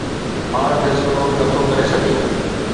پاڻ فيصلو نه ٿو ڪري سگهي.